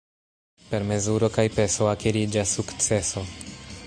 Per mezuro kaj peso akiriĝas sukceso.